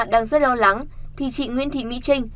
đang rất lo lắng thì chị nguyễn thị mỹ trinh